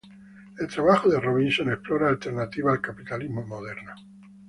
El trabajo de Robinson explora alternativas al capitalismo moderno.